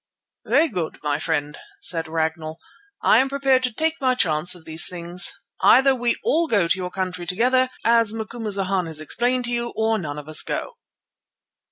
"Very good, my friend," said Ragnall, "I am prepared to take my chance of these things. Either we all go to your country together, as Macumazana has explained to you, or none of us go."